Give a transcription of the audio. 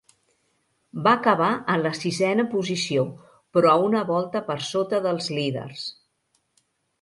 Va acabar en la sisena posició però a una volta per sota dels líders.